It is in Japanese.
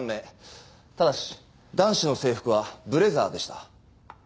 ただし男子の制服はブレザーでした。